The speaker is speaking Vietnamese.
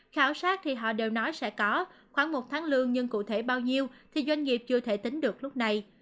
khảo sát thì họ đều nói sẽ có khoảng một tháng lương nhưng cụ thể bao nhiêu thì doanh nghiệp chưa thể tính được lúc này